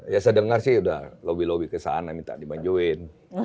ya saya dengar sih sudah lobby lobby ke sana minta dimajuin